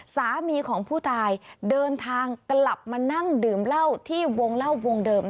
สามีของผู้ตายเดินทางกลับมานั่งดื่มเหล้าที่วงเล่าวงเดิม